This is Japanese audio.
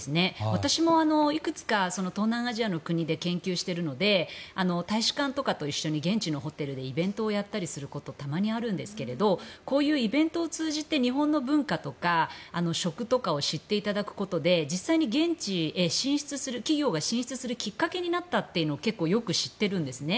私もいくつか東南アジアの国で研究しているので大使館とかと一緒に現地のホテルでイベントをやったりすることたまにあるんですけれどこういうイベントを通じて日本の文化とか食とかを知っていただくことで実際に現地へ企業が進出きっかけになったというのを結構、よく知っているんですね。